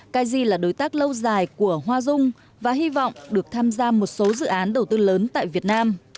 kaigi là đối tác lâu dài của hoa dung và hy vọng được tham gia một số dự án đầu tư lớn tại việt nam